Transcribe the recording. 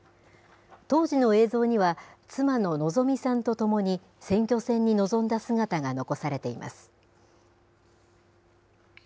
当時の映像には、妻の希美さんと共に、選挙戦に臨んだ姿が残されています。